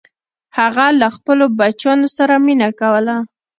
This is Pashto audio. هغه له خپلو بچیانو سره مینه کوله.